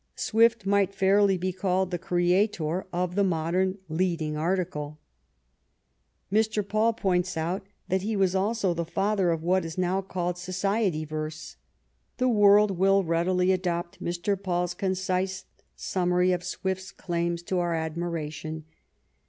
Swift might fairly be called the creator of the modem leading article. Mr. Paul points out that "he was also the father of what is now called society verse." The world will readily adopt Mr. PauPs concise summary of Swift's claims to our admiration.